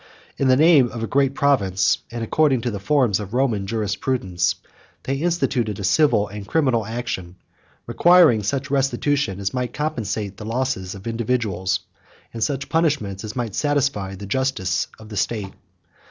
In the name of a great province, and according to the forms of Roman jurisprudence, they instituted a civil and criminal action, requiring such restitution as might compensate the losses of individuals, and such punishment as might satisfy the justice of the state.